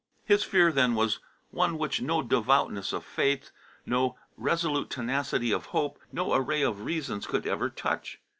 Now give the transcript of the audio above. His fear then was one which no devoutness of faith, no resolute tenacity of hope, no array of reasons could ever touch.